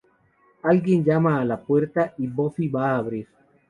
Alguien llama a la puerta y Buffy va a abrir.